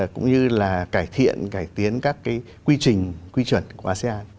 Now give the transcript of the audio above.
cũng như là cải thiện cải tiến các cái quy trình quy chuẩn của asean